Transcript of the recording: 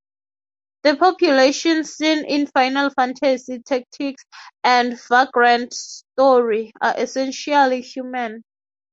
The populations seen in "Final Fantasy Tactics" and "Vagrant Story" are essentially human.